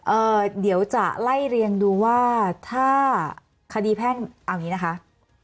เอ่อเดี๋ยวจะไล่เรียงดูว่าถ้าคดีแพร่งอันนี้น่ะนะครับ